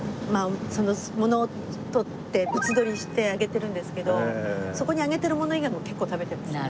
その物を撮ってブツ撮りして上げてるんですけどそこに上げてるもの以外も結構食べてますね。